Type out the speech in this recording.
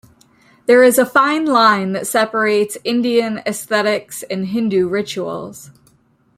There is a fine line that separates Indian aesthetics and Hindu rituals.